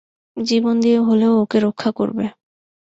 জীবন দিয়ে হলেও ওকে রক্ষা করবে।